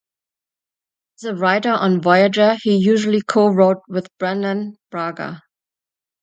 As a writer on "Voyager", he usually co-wrote with Brannon Braga.